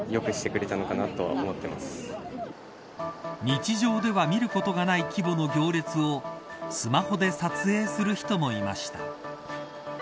日常では見ることがない規模の行列をスマホで撮影する人もいました。